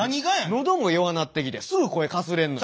喉も弱なってきてすぐ声かすれるのよ。